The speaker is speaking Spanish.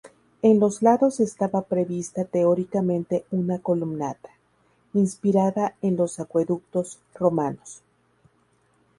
En los lados estaba prevista teóricamente una columnata, inspirada en los acueductos romanos.